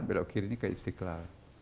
belok kiri ini ke istiqlal